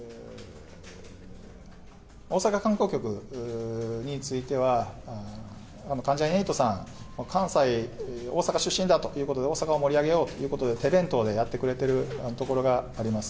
大阪観光局については、関ジャニ∞さん、関西、大阪出身だということで、大阪を盛り上げようということで、手弁当でやってくれているところがあります。